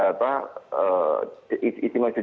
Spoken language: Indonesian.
jadi hari ini kita sedang refleksi